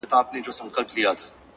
ښکلا د دې- زما-